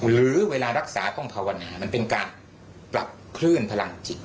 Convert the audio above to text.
หรือเวลารักษาต้องภาวนามันเป็นการปรับคลื่นพลังจิต